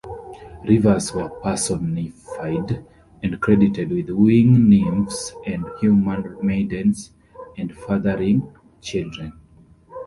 Rivers were personified and credited with wooing nymphs and human maidens and fathering children.